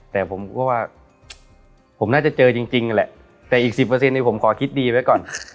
แต่ผมก็ว่าผมน่าจะเจอจริงนั่นแหละแต่อีก๑๐ผมขอคิดดีไว้ก่อน